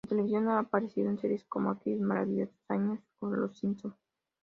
En televisión ha aparecido en series como "Aquellos maravillosos años" o "Los Simpson".